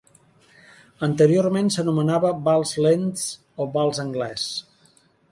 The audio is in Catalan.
Anteriorment s'anomenava vals lents o vals anglès.